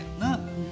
うん。